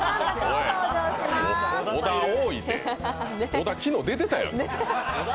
小田、昨日出てたやん。